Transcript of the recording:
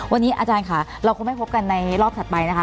วันนี้อาจารย์ค่ะเราคงไม่พบกันในรอบถัดไปนะคะ